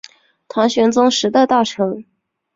唐玄宗时代大臣。